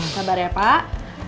sabar ya pak